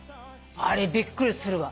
あれびっくりするわ。